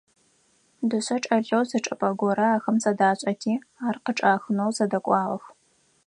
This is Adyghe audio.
Дышъэ чӀэлъэу зы чӀыпӀэ горэ ахэм зэдашӀэти, ар къычӀахынэу зэдэкӀуагъэх.